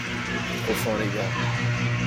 J'ai trop faim les gars.